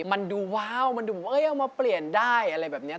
มันดูว้าวมันดูเอ้ยเอามาเปลี่ยนได้อะไรแบบนี้